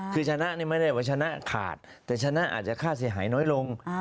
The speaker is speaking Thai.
คือชนะนี่ไม่ได้ว่าชนะขาดแต่ชนะอาจจะค่าเสียหายน้อยลง